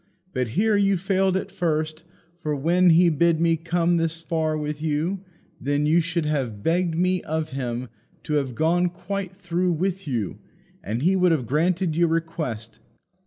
But here you failed at first; for when he bid me come thus far with you, then you should have begged me of him to have gone quite through with you, and he would have granted your request.